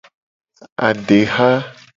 Adeha.